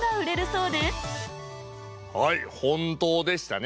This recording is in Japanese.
はい本当でしたね。